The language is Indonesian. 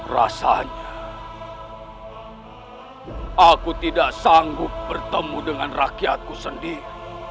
rasanya aku tidak sanggup bertemu dengan rakyatku sendiri